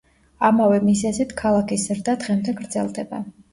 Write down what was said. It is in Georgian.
ამავე მიზეზით, ქალაქის ზრდა დღემდე გრძელდება.